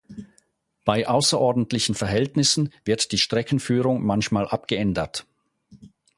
Bei außerordentlichen Verhältnissen wird die Streckenführung manchmal abgeändert.